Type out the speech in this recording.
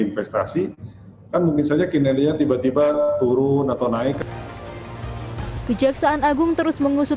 investasi kan mungkin saja kinerja tiba tiba turun atau naik kejaksaan agung terus mengusut